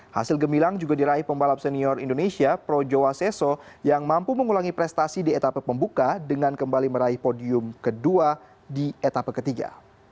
hasil gemilang juga diraih pembalap senior indonesia pro jawa seso yang mampu mengulangi prestasi di etapa pembuka dengan kembali meraih podium kedua di etapa ketiga